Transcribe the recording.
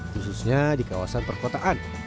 khususnya di kawasan perkotaan